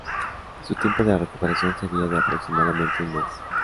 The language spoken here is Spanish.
Su tiempo de recuperación sería de aproximadamente un mes.